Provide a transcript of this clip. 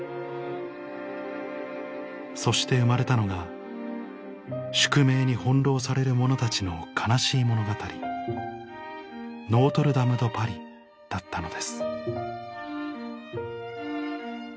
そして生まれたのが宿命に翻弄される者たちの悲しい物語『ノートルダム・ド・パリ』だったのです